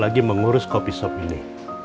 lagi mengurus kopi sop ini